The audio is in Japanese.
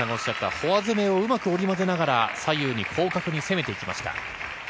フォア攻めをうまく織り交ぜながら、左右に広角に攻めてきました。